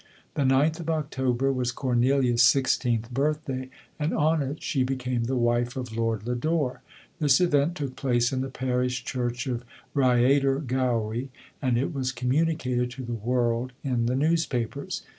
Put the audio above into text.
The ninth of October was Cornelia's sixteenth birthday, and on it she became the wife of Lord Lodore. This event took place in the parish church of Rhyaider Gowy, and it was communi cated to " the world" in the newspapers.